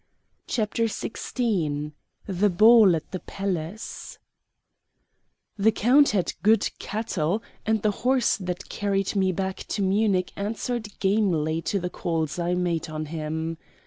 CHAPTER XVI THE BALL AT THE PALACE The count had good cattle, and the horse that carried me back to Munich answered gamely to the calls I made on him.